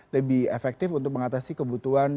lebih efektif untuk mengatasi kebutuhan